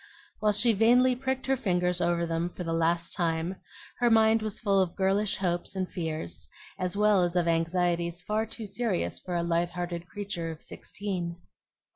While she vainly pricked her fingers over them for the last time, her mind was full of girlish hopes and fears, as well as of anxieties far too serious for a light hearted creature of sixteen.